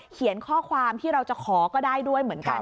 เขียนข้อความที่เราจะขอก็ได้ด้วยเหมือนกัน